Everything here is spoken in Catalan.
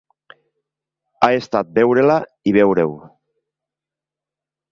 Ha estat veure-la i veure-ho.